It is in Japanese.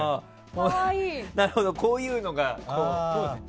なるほど、こういうのが。